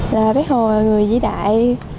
là bác hồ là người vĩ đại